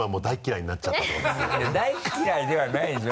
いや大嫌いではないんでしょ。